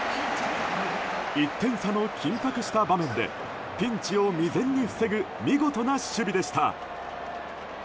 １点差の緊迫した場面でピンチを未然に防ぐ見事な守備でした。